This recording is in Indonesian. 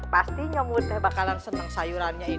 pastinya mudah bakalan senang sayurannya ini